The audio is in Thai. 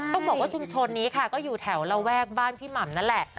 ต้องบอกว่าชุมชนนี้ค่ะก็อยู่แถวระแวกบ้านพี่หม่ำนั่นแหละ